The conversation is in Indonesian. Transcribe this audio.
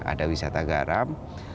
ada wisata garam